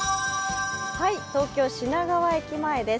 東京・品川駅前です。